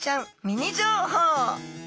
ミニ情報！